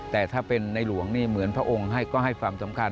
แต่ถ้าเป็นในหลวงนี่เหมือนพระองค์ให้ก็ให้ความสำคัญ